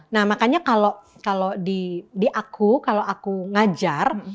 nah makanya kalau di aku kalau aku ngajar